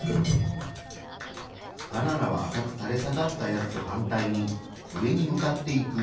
バナナは赤くたれ下がったやつと反対に上に向かっていく。